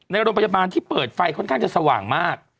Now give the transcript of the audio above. ในโรงพยาบาลที่เปิดไฟค่อนข้างจะสว่างมาก